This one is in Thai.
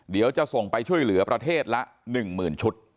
เดี๋ยวจะส่งไปช่วยเหลือประเทศละ๑๐๐๐ชุด